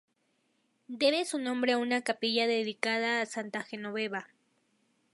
Debe su nombre a una capilla dedicada a Santa Genoveva.